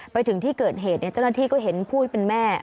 ไปถึงที่เกิดเหตุเจ้าหน้าที่ก็เห็นผู้ที่เป็นแม่